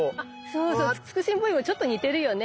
そうそうツクシンボにもちょっと似てるよね。